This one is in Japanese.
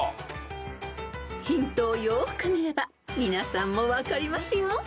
［ヒントをよく見れば皆さんも分かりますよ］